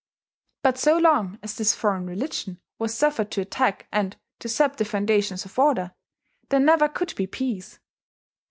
But so long as this foreign religion was suffered to attack and to sap the foundations of order, there never could be peace....